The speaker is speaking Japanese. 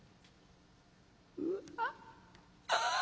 うわあぁ。